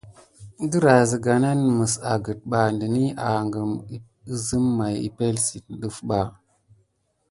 Dərah zəga nan məs agət ɓa dəni agəm əzəm may əpelsən ɗəf ɓa.